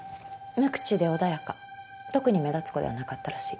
無口で穏やか特に目立つ子ではなかったらしい。